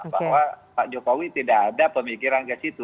bahwa pak jokowi tidak ada pemikiran ke situ